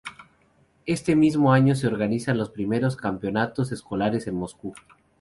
Este mismo año se organizan los primeros campeonatos escolares en Moscú.